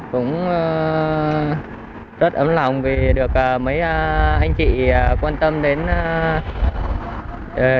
cũng rất ấm lòng vì được mấy anh chị quan tâm đến quán quà này